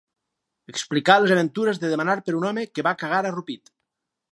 Explicà les aventures de demanar per un home que va cagar a Rupit.